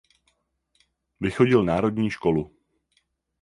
Vychodil národní školu.